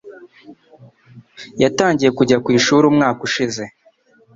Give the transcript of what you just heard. yatangiye kujya ku ishuri umwaka ushize